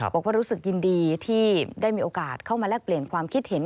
บอกว่ารู้สึกยินดีที่ได้มีโอกาสเข้ามาแลกเปลี่ยนความคิดเห็น